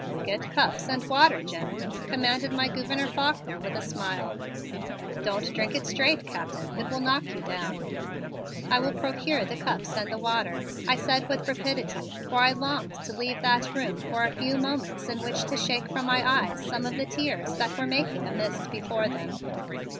"Get cups and water, Jim," commanded my Gouverneur Faulkner with a smile. "Don't drink it straight, Captain. It will knock you down." "I will procure the cups and the water," I said with rapidity, for I longed to leave that room for a few moments in which to shake from my eyes some of the tears that were making a mist before them.